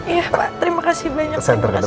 iya pak terima kasih banyak